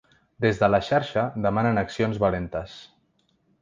Des de la xarxa demanen accions valentes.